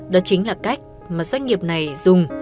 đó chính là cách mà doanh nghiệp này dùng